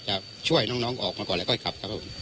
จะช่วยน้องน้องออกก่อนแล้วค่อยขับ